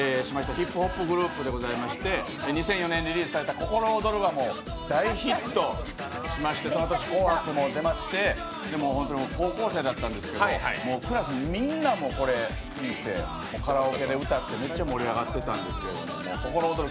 ヒップホップグループでございまして、２００４年にリリースしました「ココロオドル」は大ヒットしまして、その年、「紅白」も出まして、僕、高校生だったんですけどクラスのみんな、これ聴いてカラオケで歌って、めっちゃ盛り上がってたんですけど「ココロオドル」